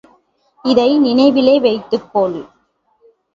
இதை நினைவிலே வைத்துக் கொள்!